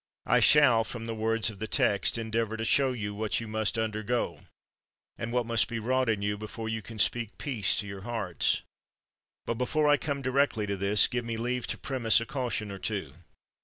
I shall, from the words of the text, endeavor to show you what you must undergo and what must be wrought in you before you can speak peace to your hearts. But before I come directly to this give me leave to premise a caution or two.